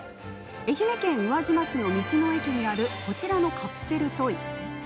愛媛県宇和島市の道の駅にあるこちらのカプセルトイ。